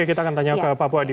kita akan tanya ke pak puadi